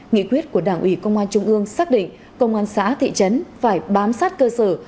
nghị quyết của đảng ủy công an trung ương xác định công an xã thị trấn phải bám sát cơ sở